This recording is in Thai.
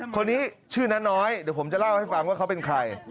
คนนี้ชื่อน้าน้อยเดี๋ยวผมจะเล่าให้ฟังว่าเขาเป็นใคร